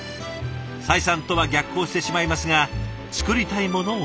採算とは逆行してしまいますが作りたいものを作りたい。